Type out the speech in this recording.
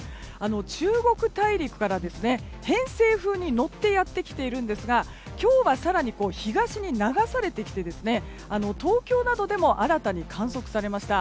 中国大陸から偏西風に乗ってやってきているんですが今日は更に東に流されてきて東京などでも新たに観測されました。